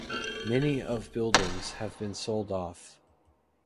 Many of buildings have been sold off.